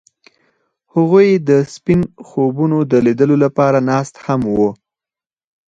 هغوی د سپین خوبونو د لیدلو لپاره ناست هم وو.